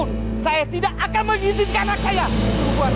pier li dengan pen cajuan dia boil